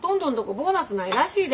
ボーナスないらしいで。